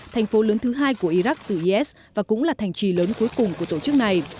thành phố lớn thứ hai của iraq từ is và cũng là thành trì lớn cuối cùng của tổ chức này